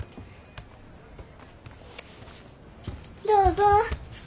どうぞ。